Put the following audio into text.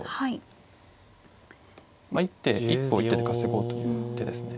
まあ一手一歩を一手で稼ごうという手ですね。